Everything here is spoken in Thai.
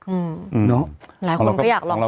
อืมหรือหรือหลายคนก็อยากลองไปกินหรือหรือ